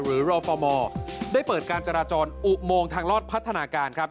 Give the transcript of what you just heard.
หรือรอฟมได้เปิดการจราจรอุโมงทางลอดพัฒนาการครับ